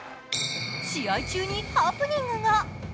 試合中にハプニングが。